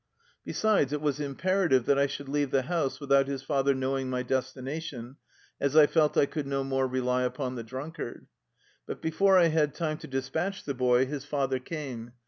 Besides, it was im perative that I should leave the house without his father knowing my destination, as I felt I could no more rely upon the drunkard. But before I had time to despatch the boy, his father came.